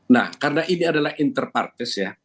nah karena ini adalah inter partis ya